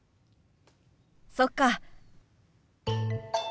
そっか。